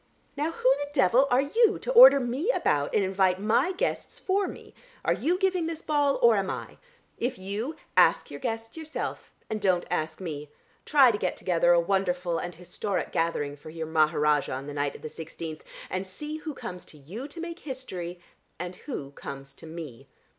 Now who the devil are you to order me about and invite my guests for me? Are you giving this ball, or am I? If you, ask your guests yourself, and don't ask me. Try to get together a wonderful and historic gathering for your Maharajah on the night of the sixteenth and see who comes to you to make history, and who comes to me.